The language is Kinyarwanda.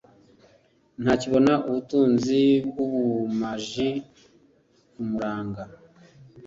ntakibona ubutunzi bwubumaji kumuranga